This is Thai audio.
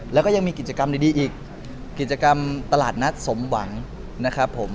แล้วก็ยังมีกิจกรรมดีอีกกิจกรรมตลาดนัดสมหวังนะครับผม